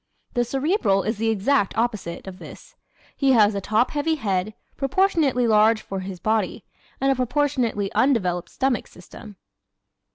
The Cerebral is the exact opposite of this. He has a top heavy head, proportionately large for his body, and a proportionately undeveloped stomach system.